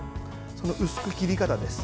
その薄く切り方です。